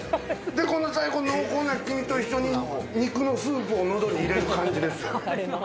最後、濃厚な黄身と一緒に肉のスープを喉に入れる感じです。